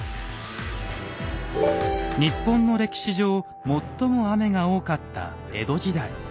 日本の歴史上最も雨が多かった江戸時代。